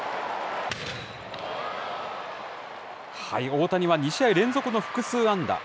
大谷は２試合連続の複数安打。